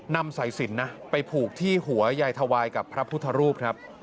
นำสายสินนะไปผูกที่หัวยายทวายกับพระพุทธรูปครับ